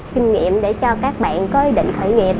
kinh nghiệm để cho các bạn có ý định khởi nghiệp